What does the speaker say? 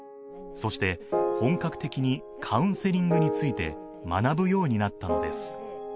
そして、本格的にカウンセリングについて学ぶようになったのです。